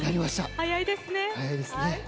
早いですね。